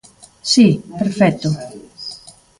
Si, perfecto.